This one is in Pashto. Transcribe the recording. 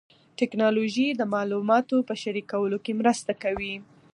ټیکنالوژي د معلوماتو په شریکولو کې مرسته کوي.